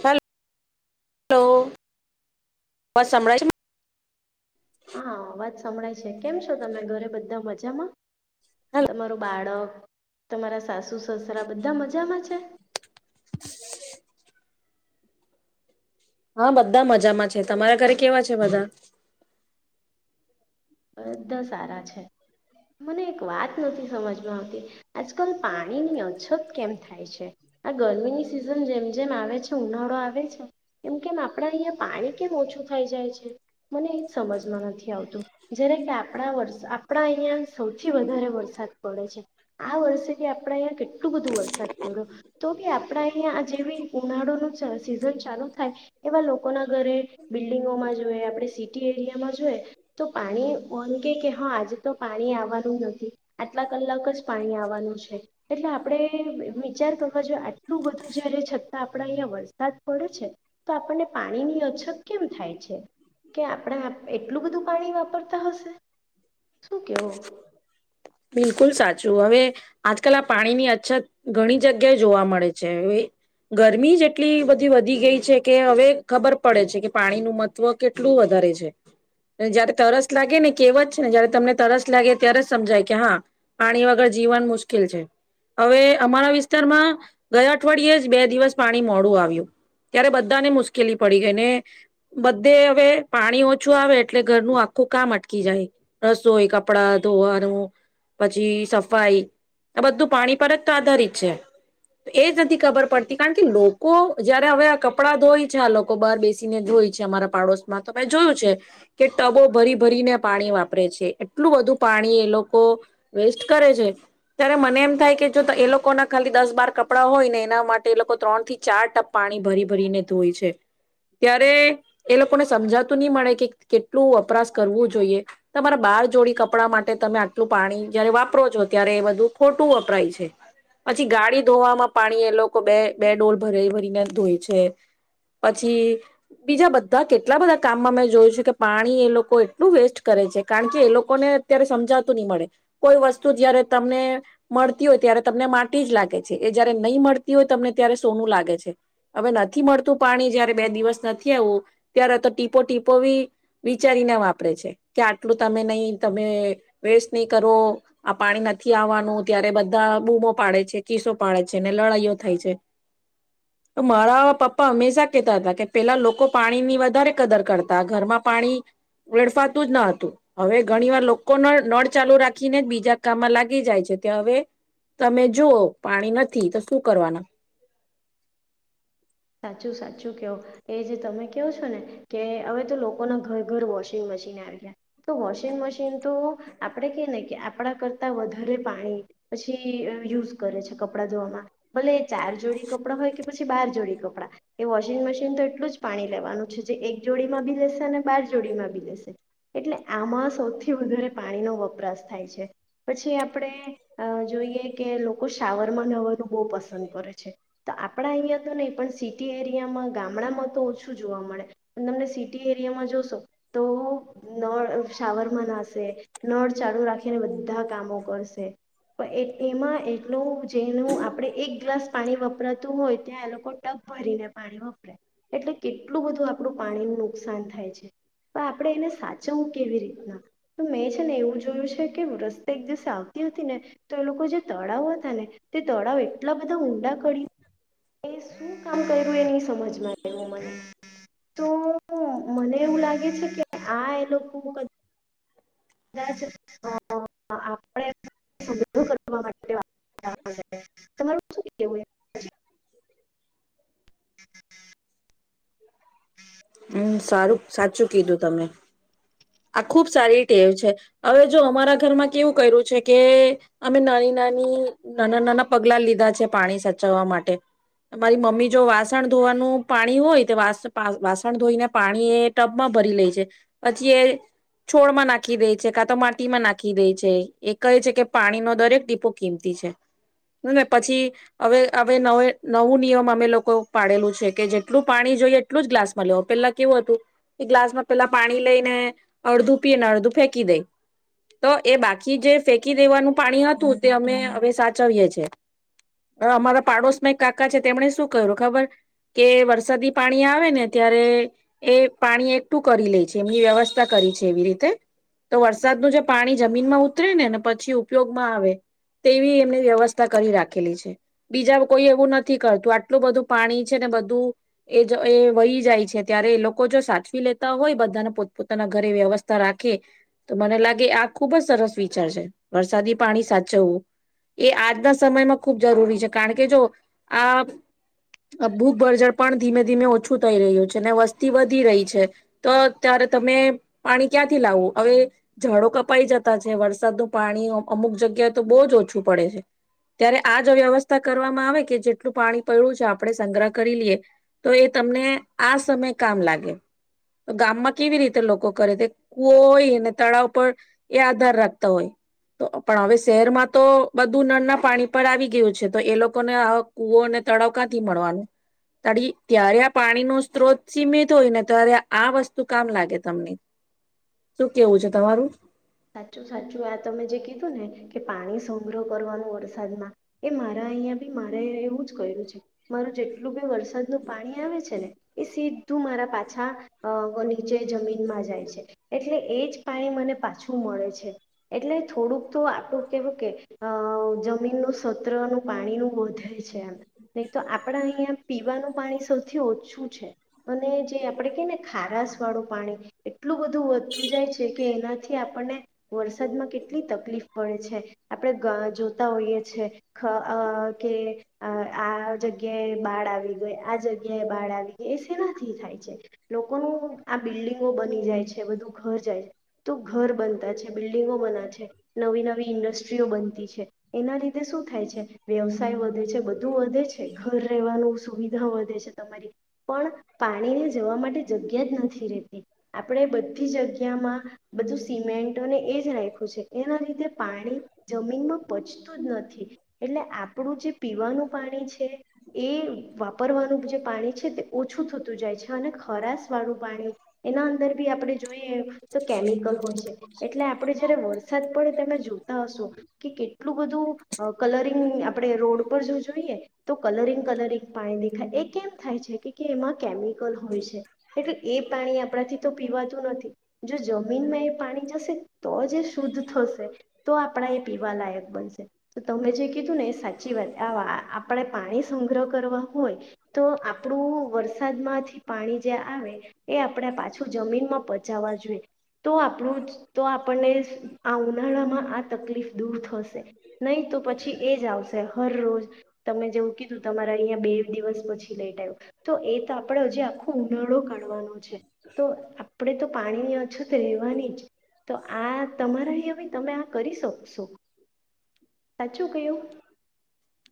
હ લો, પછ સંભળાય છે ને? હા, અવાજ સંભળાય છે કેમ છો તમે? ઘરે બધા મજામાં. તમારું બાળક તમારા સાસુ-સસરા બધા મજામાં છે. હા, બધા મજામાં છે તમારા ઘરે કેવા છે બધા? બધા સારા છે મને એક વાત નથી સમજમાં આવતી આજકાલ પાણીની અછત કેમ થાય છે? આ ગરમીની સિઝન જેમ જેમ આવે છે ઉનાળો આવે છે એમ કેમ આપણા અહીંયા પાણી કેમ ઓછું થઈ જાય છે મને એ જ સમજમાં નથી આવતું. જ્યારે કે આપણા વર્ષ આપણા અહિયાં સૌથી વધારે વરસાદ પડે છે આ વર્ષેથી આપણા અહીંયા કેટલું બધું વરસાદ પડ્યો તો કે આપણા અહીંયા આ જેવી ઉનાળોનું સિઝન ચાલુ થાય એવા લોકોના ઘરે, બિલ્ડિંગોમાં જોઈએ આપણે સીટી એરિયામાં જોઈએ તો પાણી ઓન કહે કે હા આજે તો પાણી આવવાનું નથી આટલા કલાક જ પાણી આવવાનું છે એટલે આપણે એમ વિચાર કરવા જોઈએ આટલું બધું જ્યારે છતાં આપણા અહીંયા વરસાદ પડે છે તો આપણને પાણીની અછત કેમ થાય છે કે આપણે એટલું બધું પાણી વાપરતા હશે? શું કેવો? બિલકુલ સાચું હવે આજકાલ આ પાણીની અછત ઘણી જગ્યાએ જોવા મળે છે હ ગરમી જ એટલી બધી વધી ગઈ છે કે હવે ખબર પડે છે કે પાણીનું મહત્વ કેટલું વધારે છે જયારે તરસ લાગે ને કેવત છે ને જયારે તમને તરસ લાગે ત્યારે જ સમજાય કે હા પાણી વગર જીવન મુશ્કેલ છે હવે અમારા વિસ્તારમાં ગયા અઠવાડિયે જ બે દિવસ પાણી મોડું આવ્યું ત્યારે બધાને મુશ્કેલી પડી ગઈ ને બધે હવે પાણી ઓછું આવે એટલે ઘરનું આખું કામ અટકી જાય રસોઈ કપડા ધોવાનું પછી સફાઈ આ બધું પાણી પર જ તો આધારિત છે એજ નથી ખબર પડતી કારણ કે લોકો જયારે હવે આ કપડાં ધોય છે આ લોકો બહાર બેસીને ધોય છે અમારા પાડોશમાં તો મે જોયું છે કે ટબો ભરી ભરીને પાણી વાપરે છે એટલું બધું પાણી એ લોકો વેસ્ટ કરે છે ત્યારે મને એમ થાય કે જો એ લોકોના ખાલી દસ બાર કપડા હોય ને એના માટે એ લોકો ત્રણ થી ચાર ટપ પાણી ભરી ભરીને ધોય છે ત્યારે એ લોકોને સમજાતું નહી મળે કે કેટલું વપરાશ કરવું જોઈએ તમારા બાર જોડી કપડા માટે તમે લું પાણી જયારે વાપરો છો ત્યારે એ બધું ખોટું વપરાય છે પછી ગાડી ધોવામાં પાણી એ લોકો બે બે ડોલ ભરી ભરીને ધોય છે પછી બીજા બધા કેટલા બધા કામમાં મેં જોયું છે કે પાણી એ લોકો એટલું વેસ્ટ કરે છે કારણ કે એ લોકોને અત્યારે સમજાતા મળે કોઈ વસ્તુ જયારે તમને મળતી હોય ત્યારે તમને માટી જ લાગે છે એ જયારે નહીં મળતી હોય તમને ત્યારે સોનું લાગે છે હવે નથી મળતું પાણી જયારે બે દિવસ નથી આવું ત્યારે તો ટીપો ટીપો બી વિચારીને વાપરે છે કે આટલું તમે નહી તમે વેસ્ટ નહીં કરવો આ પાણી નથી આવવાનું ત્યારે બધા બૂમો પાડે છે કીસો પાડે છે ને લડાઈઓ થાય છે મારા પપ્પા હંમેશા કહેતા હતા કે પેલા લોકો પાણીની વધારે કદર કરતા ઘરમાં પાણી લડફાતું જ ન હતું હવે ઘણી વાર લોકોને નળ ચાલુ રાખીને જ બીજા કામમાં લાગી જાય છે તે હવે તમે જુઓ પાણી નથી તો શું કરવાના? સાચું સાચું કવો એ જે તમે કહો છો ને કે હવે તો લોકોના ઘર ઘર વોશિંગ મશીન આવ્યા તો વોશિંગ મશીન તો આપણે કે ને કે આપણા કરતા વધારે પાણી પછી યુઝ કરે છે કપડાં ધોવામાં ભલે ચાર જોડી કપડાં હોય કે પછી બાર જોડી કપડાં એ વોશિંગ મશીન તો એટલું જ પાણી લેવાનું છે જે એક જોડીમાં બી લેશે અને બાર જોડીમાં બી લેશે એટલે આમાં [unintelligible] વધારે પાણીનો વપરાશ થાય છે પછી આપણે જોઈએ કે લોકો શાવરમાં નવાનું બહુ પસંદ કરે છે તો આપણા અહીંયા તો નહીં પણ સિટી એરિયામાં ગામડામાં તો ઓછું જોવા મળે પણ તમને સિટી એરિયામાં જોશો તો નળ શાવરમાં નાશે નળ ચાલુ રાખીને બધા કામો કરશે પણ એ એમાં એટલું જેનું આપણે એક ગ્લાસ પાણી વપરાતું હોય ત્યાં એ લોકો ટબ ભરીને પાણી વપરા એટલે કેટલું બધું આપણું પાણી નુકસાન થાય છે તો આપણે એને સાચવવું કેવી રીતના મેં છે ને એવું જોયું છે કે રસ્તે એક દિવસે આવતી હતી ને તો એ લોકો જે તળાવ હતા ને તે તળાવ એટલા બધા ઊંડા કરી કર્યું એ ન સમજમાંવું મને તો મને એવું લાગે છે કે આ એ લોકો કદાચ અ આપણે તમારું સું કેવું? હમ હ હમ હમ સારું સાચું કીધું તમે આ ખુબ સારી ટેવ છે હવે જો અમારા ઘરમાં કેવું કર્યું છે કે અમે નાની નાની નાના નાના પગલા લીધા છે પાણી સાચવવા માટે મારી મમ્મી જો વાસણ ધોવાનું પાણી હોય તો વાસણ ધોઈને પાણી એ ટબમાં ભરી લે છે પછી એ છોડમાં નાખી દે છે કાં તો માટીમાં નાખી દે છે એ કહે છે કે પાણીનો દરેક ટીપો કિંમતી છેને પછી હવે હવે નવે નવું નિયમ અમે લોકો પાડેલું છે કે જેટલું પાણી જોઈએ એટલું જ ગ્લાસમાં લેવ પેલા કેવું હતું કે ગ્લાસમાં પેલા પાણી લઈને અડધું પીને અડધું ફેંકી દઈ તો એ બાકી જે ફેંકી દેવાનું પાણી હતું તે અમે હવે સાચવીએ છે અમારા પાડોશમાં એક કાકા છે તેમણે શું ક્યું ખબર કે વરસાદી પાણી આવે ને ત્યારે એ પાણી એકઠું કરી લે છે એમની વ્યવસ્થા કરી છે એવી રીતે તો વરસાદનું જે પાણી જમીનમાં ઉતરે ને ને પછી ઉપયોગમાં આવે તેવી એમની વ્યવસ્થા કરી રાખેલી છે બીજા કોઈ એવું નથી કરતું આટલું બધું પાણી છે ને બધું એ એ વહી જાય છે ત્યારે એ લોકો જો સાચવી લેતા હોય બધાને પોતપ પોના ઘરે વ્યવસ્થા રાખે તો મને લાગે આ ખુબ જ સરસ વિચાર છે વરસાદી પાણી સાચવવું એ આજના સમયમાં ખૂબ જરૂરી છે કારણ કે જો આ ભૂખભરજળ પણ ધીમે ધીમે ઓછું થઈ રહ્યું છે ને વસ્તી વધી રહી છે તો ત્યારે તમે પાણી ક્યાંથી લાવું હવે ઝાડો કપાઈ જતા છે વરસાદનું પાણી અમુક જગ્યાએ તો બહુ જ ઓછું પડે છે ત્યારે આ જ વ્યવસ્થા કરવામાં આવે કે જેટલું પાણી પડડું છે આપણે સંગ્રહ કરી લઈએ તો એ તમને આ સમય કામ લાગે તો ગામમાં કેવી રીતે લોકો કરે તે કુવો હોયને તળાવ પર એ આધાર રાખતા હોય તો પણ હવે શહેરમાં તો બધું નળ ના પાણી પર આવી ગયું છે તો એ લોકોને આ કુવો અને તળાવ ક્યાંથી મળવાનું ત ત્યારે આ પાણી ન સ્ત્રોત સીમિત હોય ને ત્યારે આ વસ્તુ શું કામ લાગે તમને શું કેવું છે તમા સાચું સાચું આ તમે જે કીધું ને કે પાણી સંગ્રહ કરવાનું વરસાદમાં એ મારા અહીંયા બી મારે એવું જ કર્યું છે મારું જેટલું બી વરસાદનું પાણી આવે છે ને એ સીધું મારા પાછા નીચે જમીનમાં જાય છે એટલે એ જ પાણી મને પાછું શું મળે છે એટલે થોડુંક તો આપડું કેવું કે જમીનનું સત્રનું પાણી નું વધે છે એમ. નહી તો આપડા અહિયાં પીવાનું પાણી સૌથી ઓછું છે અને જે આપણે કહી ને ખારાસ વાળું પાણી એટલું બધું વધતુ જાય છે કે એનાથી આપણને વરસાદમાં કેટલી તકલીફ પડે છે આપણે જોતા હોઈએ છે કે આ જગ્યાએ બાળ આવી ગઈ આ જગ્યાએ બાળ આવી ગઈ એ સેનાથી થાય છે લોકોનું આ બિલ્ડિંગો બની જાય છે બધું ઘર જાય. તો ઘર બનતા છે બિલ્ડિંગો બના છે નવી નવી ઇન્ડસ્ટ્રીઓ બનતી છે એના લીધે શું થાય છે વ્યવસાય વધે છે બધું વધે છે ઘર રહેવાનું સુવિધા વધે છે તમારી પણ પાણીને જવા માટે જગ્યા જ નથી રહેતી આપણે બધી જગ્યામાં બધું સિમેન્ટને એ જ રાખ્યું છે એના લીધે પાણી જમીનમાં પચતું જ નથી એટલે આપણું જે પીવાનું પાણી છે એ વાપરવાનું જે પાણી છે તે ઓછું થતું જાય છે અને ખરાશ વાળું પાણી એના અંદર બી આપણે જોઈએ તો કેમિકલ હોય છે એટલે આપણેે જ્યારે વ સતપડે તમે જોતા હશો કે કેટલું બધું કલરિંગ આપણે રોડ પર જો જોઈએ તો કલરિંગ કલરિંગ પાણી દેખાય એ કેમ થાય છે કે એમાં કેમિકલ હોય છે એટલે એ પાણી આપણાથી તો પીવાતું નથી. જમીનમાં એ પાણી જશે તો જ શુદ્ધ થશે તો આપણા એ પીવા લાયક બનશે. તો તમે જે કીધું ને એ સાચી વાત આ આપણે પાણી સંગ્રહ કરવા હોય તો આપણું વરસાદમાંથી પાણી જે આવે એ આપણે પાછું જમીનમાં પચાવવા જોઈએ. તો આપણું તો આપણને આ ઉનાળામાં આ તકલીફ દૂર થશે. પછી એ જ આવશે હર રોજ તમે જેવું કીધું તમારા અહીંયા બે દિવસ પછી લેટ આવ્યું તો એ તો આપણે હજી આખો ઉનાળો કાઢવાનો છે તો આપણે તો પાણીની રેવાની જ તો આ તમારા હવે તમે આ કરી શકશો. સાચું કહ્યું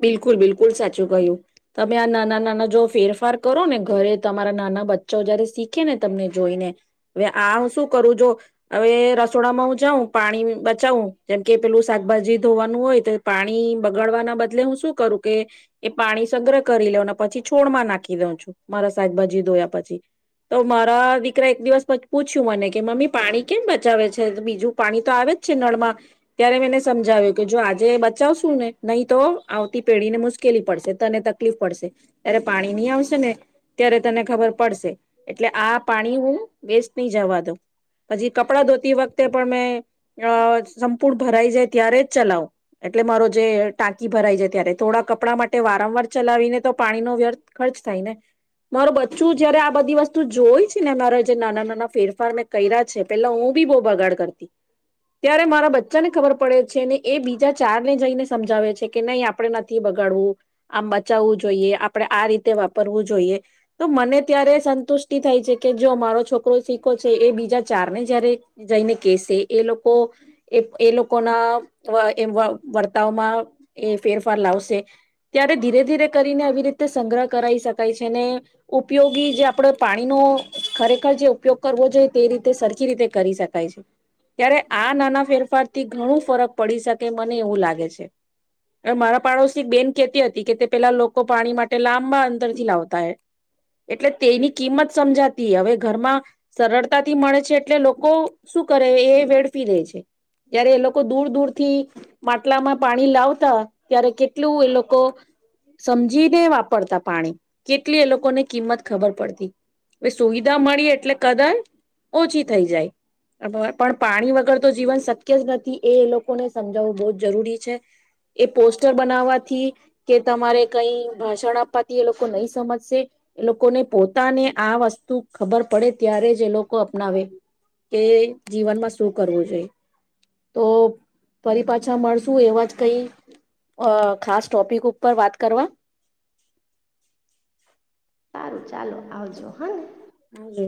બિલકુલ બિલકુલ સા ચુ ગયું. તમે આ નાના નાના જો ફેરફાર કરો ને ઘરે તમારા નાના બચ્ચા જયારે શીખે ને તમને જોઈને હવે આ શું કરું જો હવે રસોડામાં હું જાઉં પાણી બચાવું જેમ કે પેલું શાકભાજી ધોવાનું હોય તો પાણી બગાડવાના બદલે હું શું કરું કે એ પાણી સગ્રહ કરી લેને પછી છોડ માં નાખી દઉં છું મારા શાકભાજી ધોયા પછી. તો મારા દીકરા એક દિવસ પૂછ્યું મને કે મમ્મી પાણી કેમ બચાવે છે બીજું પાણી તો આવે જ છે નળમાં ત્યારે મેને સમજાવ્યું કે જો આજે બચાવશું ને નહીં તો આવતી પેઢીને મુશ્કેલી પડશે તને તકલીફ પડશે. ત્યારે પાણી નહીં આવશે ને ત્યારે તને ખબર પડશે એટલે આ પાણી હું વેસ્ટ નહી જવા દઉં. પછી કપડાં ધોતી વખતે પણ મેં અ સંપૂર્ણ ભરાઈ જાય ત્યારે જ ચલાવો એટલે મારો જે ટાંકી ભરાય જાય ત્યારે થોડા કપડાં માટે વારંવાર ચલાવીને તો પાણીનો વ્યર્થ ખર્ચ થાય ને મારો બચ્ચું જયારે આ બધી વસ્તુ જોય છે ને મારા જે નાના નાના ફેરફાર મેં કર્યા છે પેલા હું બી બહુ બગાડ કરતી. ત્યારે મારા બચ્ચા ને ખબર પડે છે ને એ બીજા ચાર ને જઈને સમજાવે છે કે નહીં આપણે નથી બગાડવું, આમ બચાવવું જોઈએ, આપણે આ રીતે વાપરવું જોઈએ. તો મને ત્યારે સંતુષ્ટિ થાય છે કે જો અમારો છોકરો શીખો છે એ બીજા ચાર ને જયારે જઈને કેસે એ લોકો એ લોકોના એમ વર્તાવમાં એ ફેરફાર લાવશે. ત્યારે ધીરે ધીરે કરીને આવી રીતે સંગ્રહ કરાઈ શકાય છે ને ઉપયોગી જે આપડે પાણીનો ખરેખર જે ઉપયોગ કરવો જોઈએ તે રીતે સરખી રીતે કરી શકાય છે. ત્યારે આ નાના ફેરફારથી ઘણું ફરક પડી શકે મને એવું લાગે છે. મારા પાડોશ બેન કેતી હતી કે તે પેલા લોકો પાણી માટે લાંબા અંતરથી લાવતા હય એટલે તેની કિંમત સમજાતી હવે ઘરમાં સરળતાથી મળે છે એટલે લોકો શું કરે એ વેડફી રે છે ત્યારે એ લોકો દૂર દૂર થી માટલામાં પાણી લાવતા ત્યારે કેટલું એ લોકો સમજીને વાપરતા પાણી કેટલી એ લોકોને કિંમત ખબર પડતી. સુવિધા મળી એટલે કદર ઓછી થઈ જાય. પણ પાણી વગર તો જીવન શક્ય જ નથી એ લોક કોને સમજાવવું બહુ જરૂરી છે. એ પોસ્ટર બનાવવાથી કે તમારે કઈ ભાષણ આપવાથી એ લોકો નહી સમજશે એ લોકોને પોતાને આ વસ્તુ ખબર પડે ત્યારે જ એ લોકો અપનાવે કે જીવનમાં શું કરવું જોઈ તો ફરી પાછા મળશું એવા જ કઈ અ ખાસ ટોપિક ઉપર વાત કરવા. સારું ચાલો આવજો. હને. હાલો.